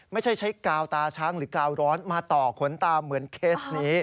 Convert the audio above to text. ไม่ใช่ใช้กาวตาช้างหรือกาวร้อนมาต่อขนตาเหมือนเคสนี้